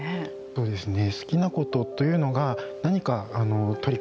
そうですね。